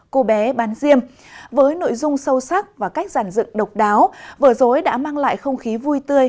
cô bé bán riêng với nội dung sâu sắc và cách giản dựng độc đáo vở dối đã mang lại không khí vui tươi